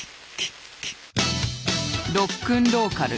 ロックンローカル